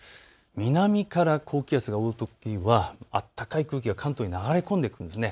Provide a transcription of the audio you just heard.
南から高気圧が覆うときは暖かい空気が関東に流れ込んでくるんです。